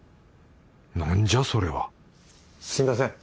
なんじゃそれは？すみません。